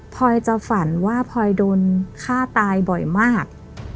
พอยจะฝันว่าพลอยโดนฆ่าตายบ่อยมาก